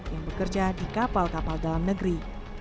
yang bekerja di kapal kapal dalam negeri